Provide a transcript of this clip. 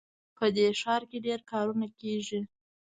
په دې ښار کې ډېر کارونه کیږي